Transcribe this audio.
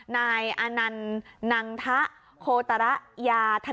นายอันนันทะโฆษัย